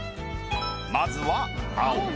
まずは青。